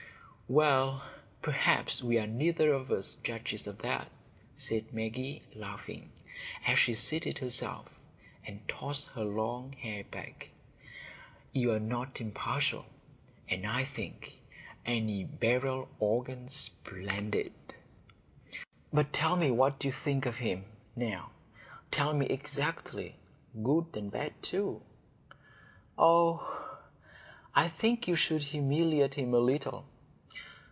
"Well, perhaps we are neither of us judges of that," said Maggie, laughing, as she seated herself and tossed her long hair back. "You are not impartial, and I think any barrel organ splendid." "But tell me what you think of him, now. Tell me exactly; good and bad too." "Oh, I think you should humiliate him a little.